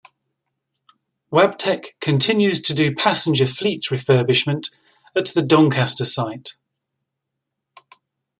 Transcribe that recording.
Wabtec continues to do passenger fleet refurbishment at the Doncaster site.